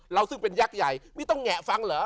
ซึ่งเป็นยักษ์ใหญ่ไม่ต้องแงะฟังเหรอ